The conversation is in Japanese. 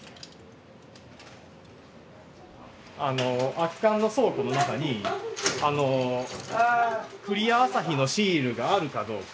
空き缶の倉庫の中にクリアアサヒのシールがあるかどうか。